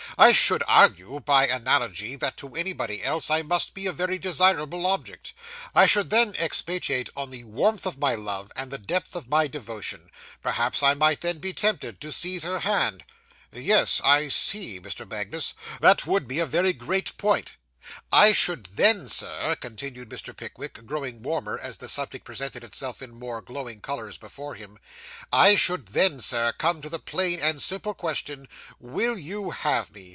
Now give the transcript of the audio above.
I should argue, by analogy, that to anybody else, I must be a very desirable object. I should then expatiate on the warmth of my love, and the depth of my devotion. Perhaps I might then be tempted to seize her hand.' 'Yes, I see,' said Mr. Magnus; 'that would be a very great point.' 'I should then, Sir,' continued Mr. Pickwick, growing warmer as the subject presented itself in more glowing colours before him 'I should then, Sir, come to the plain and simple question, "Will you have me?"